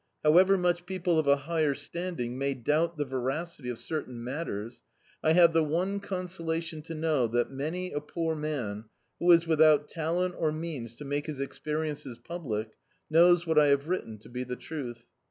However much people of a hi^er standing may doubt the veracity of certain matters, I have the one consolation to know that many a poor man, who is without talent or means to niake his experiences public, knows what I have written to be the truth.